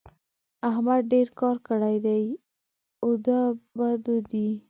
احمد ډېر کار کړی دی؛ ادو بدو دی.